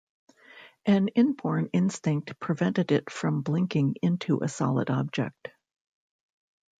An inborn instinct prevented it from blinking into a solid object.